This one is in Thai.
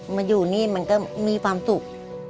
มาอยู่นี่มันก็มีความสุข